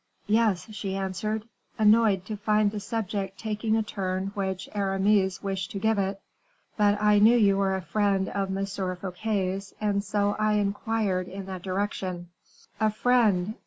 "Yes," she answered, annoyed to find the subject taking a turn which Aramis wished to give it; "but I knew you were a friend of M. Fouquet's, and so I inquired in that direction." "A friend!